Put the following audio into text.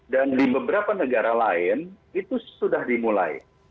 dan di beberapa negara lain itu sudah dimulai